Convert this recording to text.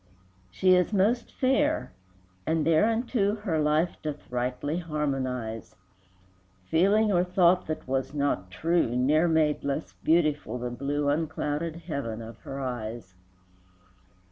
VII. She is most fair, and thereunto Her life doth rightly harmonize; Feeling or thought that was not true Ne'er made less beautiful the blue Unclouded heaven of her eyes.